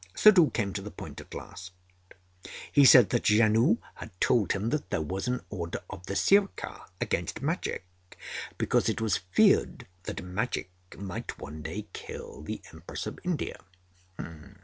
Suddhoo came to the point at last. He said that Janoo had told him that there was an order of the Sirkar against magic, because it was feared that magic might one day kill the Empress of India.